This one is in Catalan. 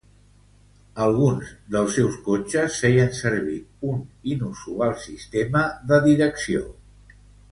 Alguns dels seus cotxes feien servir un inusual sistema de direcció.